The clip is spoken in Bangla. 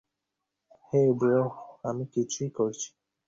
এর মানে দাঁড়ায়, অরাজকতা থেকে আমরা তিন বেলা খাবারের দূরত্বে আছি?